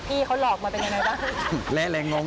พี่เขาหลอกมาเป็นยังไงบ้าง